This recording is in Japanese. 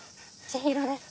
千尋です。